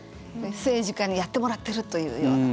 政治家にやってもらっているというような。